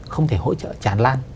không thể hỗ trợ chán lan